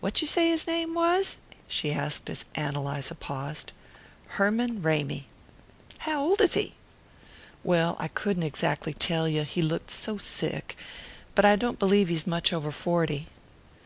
"What you say his name was?" she asked as Ann Eliza paused. "Herman Ramy." "How old is he?" "Well, I couldn't exactly tell you, he looked so sick but I don't b'lieve he's much over forty."